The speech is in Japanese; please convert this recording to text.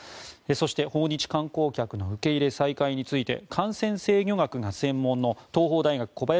そして訪日観光客の受け入れ再開について感染制御学が専門の東邦大学、小林寅